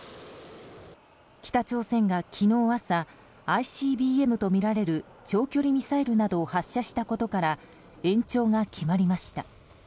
北朝鮮が、昨日朝ＩＣＢＭとみられる長距離ミサイルなどを発射したことから延長が決まりました。